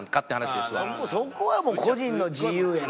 そこはもう個人の自由やから。